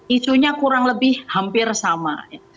isunya kurang lebih hampir sama